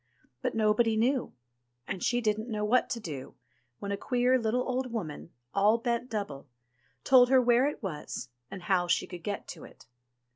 But nobody knew, and she didn't know what to do, when a queer little old woman, all bent double, told her where it was, and how she could get to it.